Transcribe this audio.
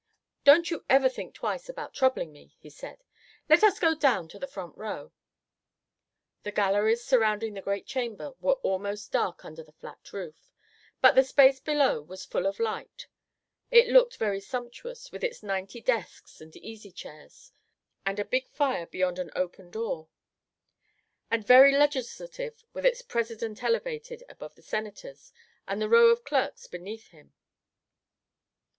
"Don't you ever think twice about troubling me," he said. "Let us go down to the front row." The galleries surrounding the great Chamber were almost dark under the flat roof, but the space below was full of light. It looked very sumptuous with its ninety desks and easy chairs, and a big fire beyond an open door; and very legislative with its president elevated above the Senators and the row of clerks beneath him.